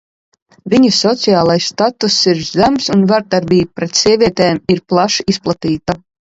Viņu sociālais statuss ir zems, un vardarbība pret sievietēm ir plaši izplatīta.